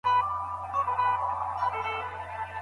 ایکي یوڅاڅکی شراب نهلري